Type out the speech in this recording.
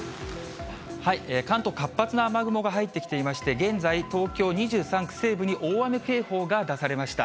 関東、活発な雨雲が入ってきていまして、現在、東京２３区西部に大雨警報が出されました。